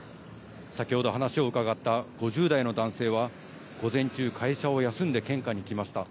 先ほど話を伺った５０代の男性は、午前中、会社を休んで献花に来ました。